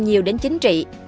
nhiều đến chính trị